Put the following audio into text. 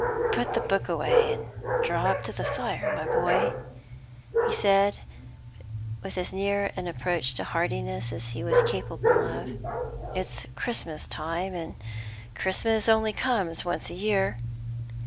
"Put the book away, and draw up to the fire, my boy," he said, with as near an approach to heartiness as he was capable of. "It's Christmas time, and Christmas only comes once a year."